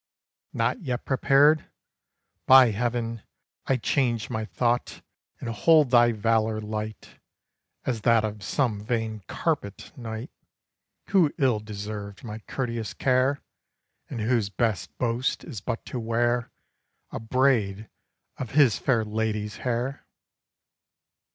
Not yet prepared? By heaven, I change My thought, and hold thy valour light As that of some vain carpet knight, Who ill deserved my courteous care, And whose best boast is but to wear A braid of his fair lady's hair."